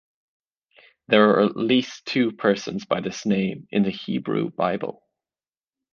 There are at least two persons by this name in the Hebrew Bible.